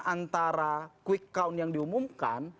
antara quick count yang diumumkan